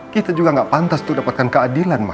kita juga gak pantas tuh dapatkan keadilan ma